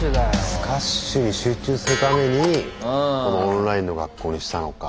スカッシュに集中するためにオンラインの学校にしたのか。